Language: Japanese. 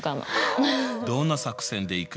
どんな作戦でいく？